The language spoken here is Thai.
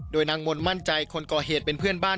โดยนางมนต์มั่นใจคนก่อเหตุเป็นเพื่อนบ้าน